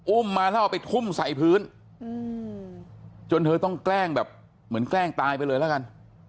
มาแล้วเอาไปทุ่มใส่พื้นจนเธอต้องแกล้งแบบเหมือนแกล้งตายไปเลยแล้วกัน